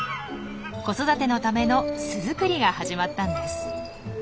子育てのための巣作りが始まったんです。